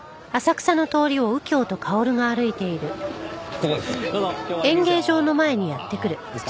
ここです。